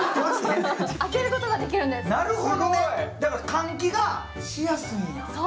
換気がしやすいんだ。